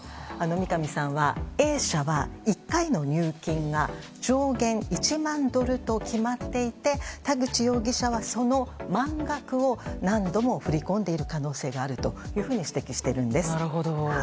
三上さんはＡ社は１回の入金が上限１万ドルと決まっていて田口容疑者はその満額を何度も振り込んでいる可能性があるというふうに指摘しているんです。